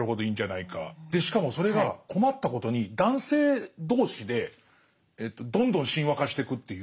でしかもそれが困ったことに男性同士でどんどん神話化してくっていう。